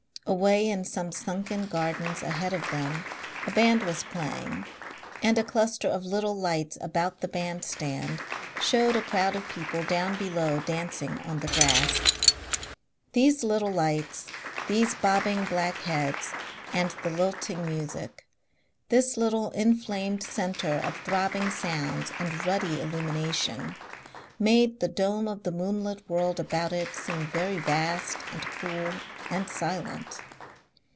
Away in some sunken gardens ahead of them a band was playing, and a cluster of little lights about the bandstand showed a crowd of people down below dancing on the grass. These little lights, these bobbing black heads and the lilting music, this little inflamed Centre of throbbing sounds and ruddy illumination, made the dome of the moonlit world about it seem very vast and cool and silent.